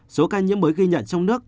số ca nhiễm mới ghi nhận trong nước